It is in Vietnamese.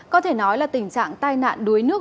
có thể nói là tình trạng tai nạn đuối nước